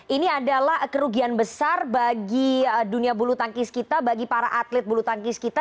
ini adalah kerugian besar bagi dunia bulu tangkis kita bagi para atlet bulu tangkis kita